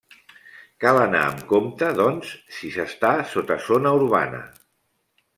Cal anar amb compte doncs si s'està sota zona urbana.